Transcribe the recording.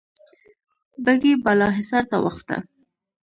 بګۍ بالا حصار ته وخته.